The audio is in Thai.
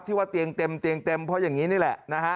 ว่าเตียงเต็มเตียงเต็มเพราะอย่างนี้นี่แหละนะฮะ